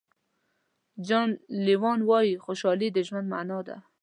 جان لینون وایي خوشحالي د ژوند معنا ده.